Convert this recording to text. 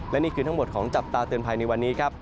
และนี่คือทั้งหมดของจับตาเตือนภัยในวันนี้ครับ